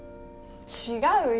違うよ。